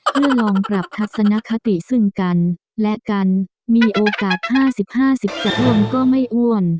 เพื่อลองปรับทัศนคติซึ่งกันและกันมีโอกาส๕๐๕๐จะลงก็ไม่อ้วน